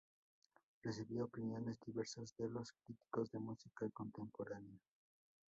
Recibió opiniones diversas de los críticos de música contemporánea.